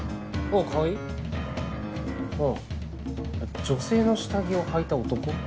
うん女性の下着をはいた男？